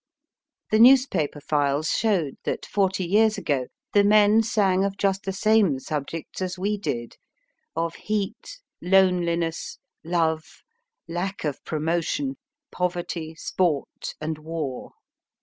The newspaper files showed that, forty years ago, the men sang of just the same subjects as we did of heat, loneliness, love, lack of promotion, poverty, sport, and war.